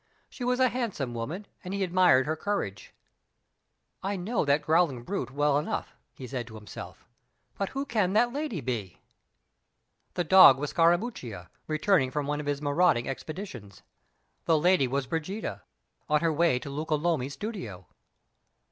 She was a handsome woman, and he admired her courage. "I know that growling brute well enough," he said to himself, "but who can the lady be?" The dog was Scarammuccia, returning from one of his marauding expeditions The lady was Brigida, on her way to Luca Lomi's studio.